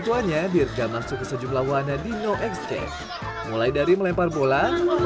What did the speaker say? lainnya dirga masuk sejumlah wana di no escape mulai dari melempar bola